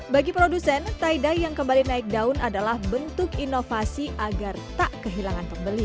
bagi produsen taidai yang kembali naik daun adalah bentuk inovasi agar tak kehilangan pembeli